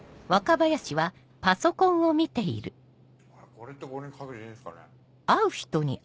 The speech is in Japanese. これってこれにかけていいんですかね？